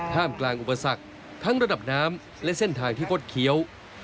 มกลางอุปสรรคทั้งระดับน้ำและเส้นทางที่คดเคี้ยว